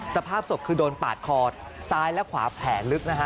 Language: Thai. สภาพศพคือโดนปาดคอซ้ายและขวาแผลลึกนะฮะ